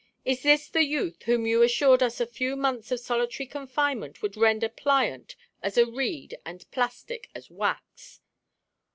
Is this the youth whom you assured us a few months of solitary confinement would render pliant as a reed and plastic as wax?